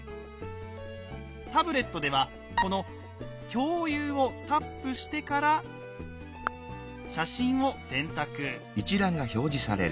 タブレットではこの「共有」をタップしてから「写真」を選択。